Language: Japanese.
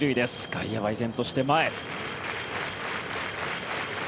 外野は依然として前。